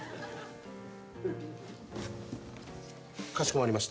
かしこまりました。